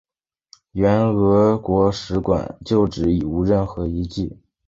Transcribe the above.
原俄国使馆旧址已无任何遗迹。